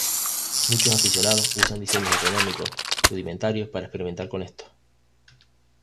Muchos aficionados usan diseños económicos rudimentarios para experimentar con estos.